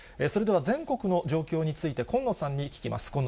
それでは、全国の状況について、近野さんに聞きます。